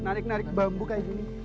narik narik bambu kayak gini